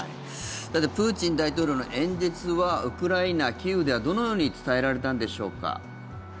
プーチン大統領の演説はウクライナ、キーウではどのように伝えられたんでしょうか。